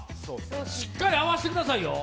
しっかり合わせてくださいよ。